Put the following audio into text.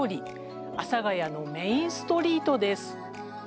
阿佐ヶ谷のメインストリートです。